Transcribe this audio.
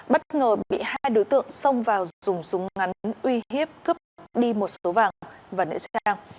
bất ngờ bị hai đối tượng xông vào dùng súng ngắn uy hiếp cướp đi một số vàng và nữ trang